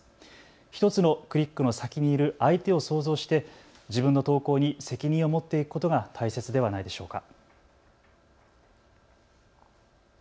１つのクリックの先にいる相手を想像して自分の投稿に責任を持っていくことが大切ではないでしょうか。